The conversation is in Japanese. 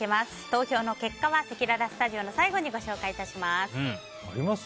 投票の結果はせきららスタジオの最後にあります？